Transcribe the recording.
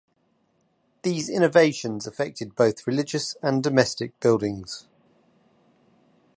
These innovations affected both religious and domestic buildings.